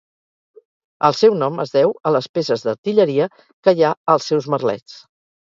El seu nom es deu a les peces d'artilleria que hi ha als seus merlets.